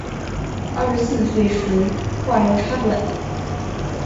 二十四岁时化疗插管